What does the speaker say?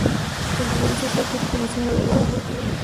Los futbolistas suecos reconocieron la derrota.